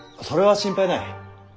それは心配ない。